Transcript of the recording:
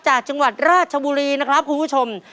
จังหวัดราชบุรีนะครับคุณผู้ชม